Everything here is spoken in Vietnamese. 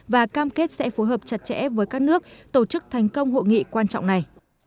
và cam kết sẽ phối hợp chặt chẽ với các nước tổ chức thành công hội nghị quan trọng này